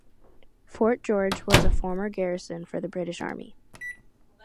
Fort George was a former garrison for the British Army.